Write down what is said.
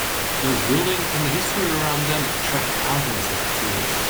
Those buildings and the history around them attract thousands of tourists.